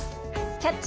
「キャッチ！